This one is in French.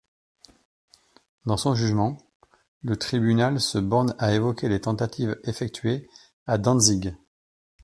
Dans son jugement, le tribunal se borne à évoquer les tentatives effectuées à Dantzig.